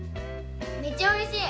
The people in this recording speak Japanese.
めっちゃおいしい！